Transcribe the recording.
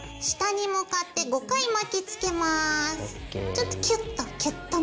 ちょっとキュッとキュッとめで。